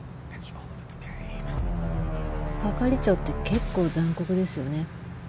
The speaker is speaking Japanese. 係長って結構残酷ですよね。